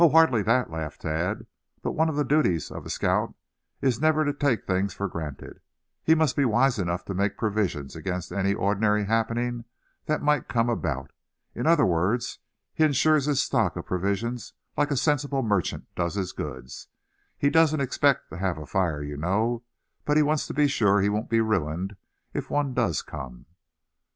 hardly that," laughed Thad; "but one of the duties of a scout is never to just take things for granted. He must be wise enough to make provision against any ordinary happening that might come about. In other words he insures his stock of provisions like a sensible merchant does his goods. He doesn't expect to have a fire, you know; but he wants to be sure he won't be ruined if one does come."